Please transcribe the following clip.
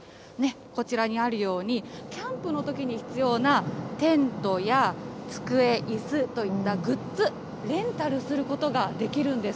こちらにあるように、キャンプのときに必要なテントや机、いすといったグッズ、レンタルすることができるんです。